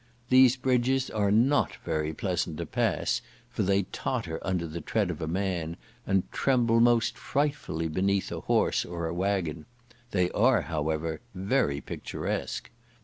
These bridges are not very pleasant to pass, for they totter under the tread of a man, and tremble most frightfully beneath a horse or a waggon; they are, however, very picturesque.